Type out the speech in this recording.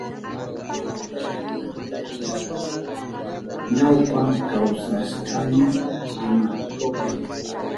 Ñawpa kawsashkani Anaticopi.